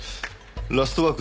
『ラストワーク』